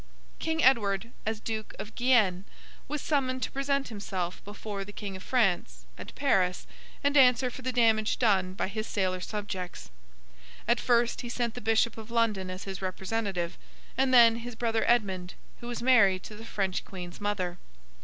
King Edward, as Duke of Guienne, was summoned to present himself before the King of France, at Paris, and answer for the damage done by his sailor subjects. At first, he sent the Bishop of London as his representative, and then his brother Edmund, who was married to the French Queen's mother.